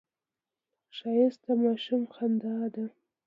ښایست د ماشوم خندا ده